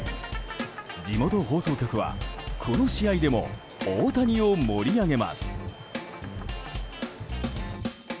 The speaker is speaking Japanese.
地元放送局は、この試合でも大谷を盛り上げます。